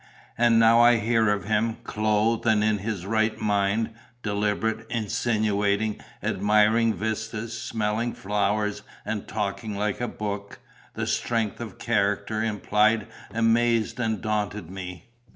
And now I heard of him, clothed and in his right mind, deliberate, insinuating, admiring vistas, smelling flowers, and talking like a book. The strength of character implied amazed and daunted me.